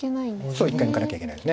そう１回抜かなきゃいけないです。